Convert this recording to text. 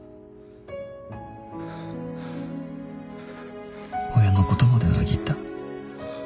ハァハァ親のことまで裏切った。